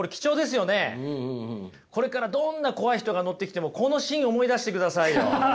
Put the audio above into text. これからどんな怖い人が乗ってきてもこのシーン思い出してくださいよ。